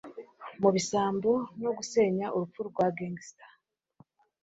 Mubisambo no gusenya urupfu rwa gangster,